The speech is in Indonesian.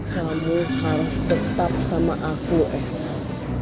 kamu harus tetap sama aku esa